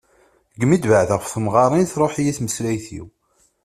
Seg mi i d-wexreɣ ɣef temɣarin truḥ-iyi tmeslayt-iw.